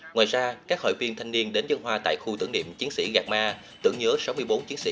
ngoài ra các hội viên thanh niên đến dân hoa tại khu tưởng niệm chiến sĩ gạt ma tưởng nhớ sáu mươi bốn chiến sĩ